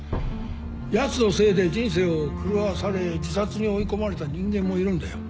やつのせいで人生を狂わされ自殺に追い込まれた人間もいるんだよ。